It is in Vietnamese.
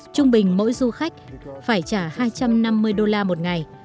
trung bình mỗi du khách phải trả hai trăm năm mươi đô la một ngày